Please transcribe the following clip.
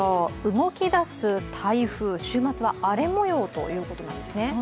動き出す台風、週末は荒れ模様ということなんですね。